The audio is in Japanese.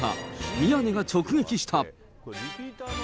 宮根が直撃した。